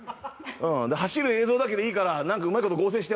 走る映像だけでいいからうまいこと、合成して。